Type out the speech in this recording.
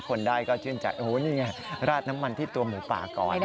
คนได้ก็ชื่นใจโอ้โหนี่ไงราดน้ำมันที่ตัวหมูป่าก่อน